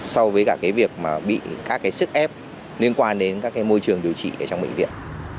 so với việc bị các sức ép liên quan đến môi trường điều trị trong bệnh viện